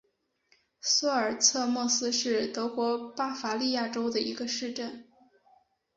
苏尔策莫斯是德国巴伐利亚州的一个市镇。